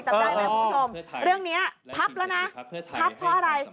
จำได้ไหมคุณผู้ชมเรื่องนี้พับแล้วนะพับเพราะอะไร